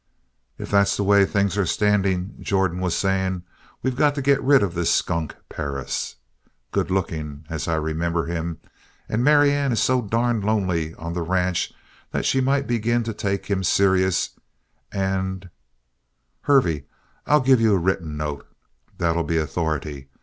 "If that's the way things are standing," Jordan was saying, "we got to get rid of this skunk Perris. Good looking, as I remember him, and Marianne is so darned lonely on the ranch that she might begin to take him serious and Hervey, I'll give you a written note. That'll be authority.